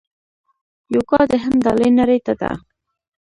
یوګا د هند ډالۍ نړۍ ته ده.